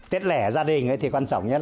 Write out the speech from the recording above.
tết lẻ gia đình quan trọng nhất